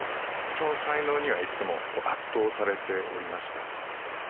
その才能にはいつも圧倒されておりました。